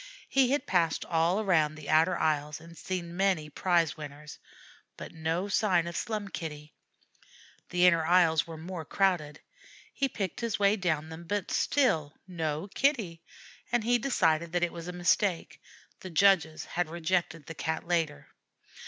He had passed all around the outer aisles and seen many prize winners, but no sign of Slum Kitty. The inner aisles were more crowded. He picked his way down them, but still no Kitty, and he decided that it was a mistake; the judges had rejected the Cat later.